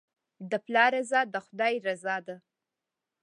د پلار رضا د خدای رضا ده.